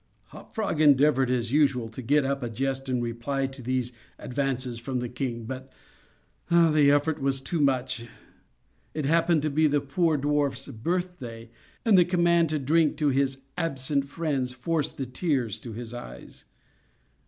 Hop Frog endeavored, as usual, to get up a jest in reply to these advances from the king; but the effort was too much. It happened to be the poor dwarf's birthday, and the command to drink to his "absent friends" forced the tears to his eyes.